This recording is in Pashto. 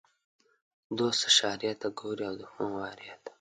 دوست اشارې ته ګوري او دښمن وارې ته.